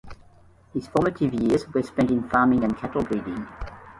His formative years were spent in farming and cattle-breeding.